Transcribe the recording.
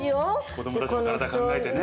子供たちの体考えてね。